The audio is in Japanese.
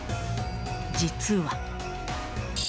実は。